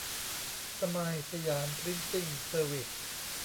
สไมล์ สยาม พริ้นติ้ง เซอร์วิส